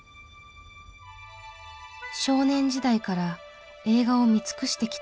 少年時代から映画を見尽くしてきた大林さん。